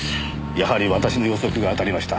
やはり私の予測が当たりました。